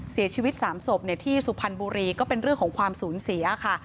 เสียชีวิต๓ศพที่สุพรรณบุรีก็เป็นเรื่องของความสูญเสียค่ะ